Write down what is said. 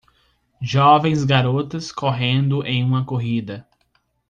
Jovens garotas correndo em uma corrida.